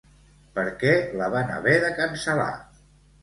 Per què la van haver de cancel·lar?